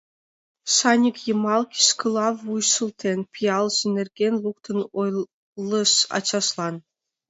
Шаньык йымал кишкыла вуй шылтен, пиалже нерген луктын ойлыш ачажлан.